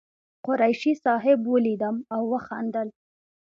قریشي صاحب ولیدم او وخندل.